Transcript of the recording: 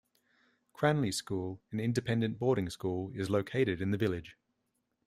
Cranleigh School, an independent boarding school, is located in the village.